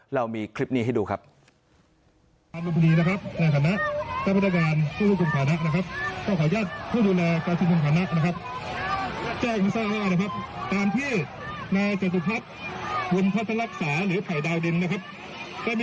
เรามีคลิปนี้ให้ดูครับ